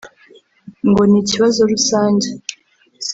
ngo ni ikibazo rusange